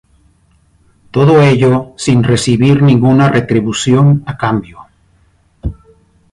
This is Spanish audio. Todo ello, sin recibir ninguna retribución a cambio.